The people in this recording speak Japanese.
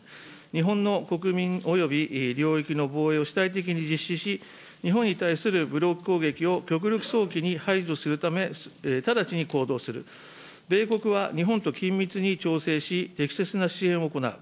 日本の国民および領域の防衛を主体的に実施し、日本に対する武力攻撃を極力早期に排除するため、直ちに行動する、米国は日本と緊密に調整し、適切な支援を行う。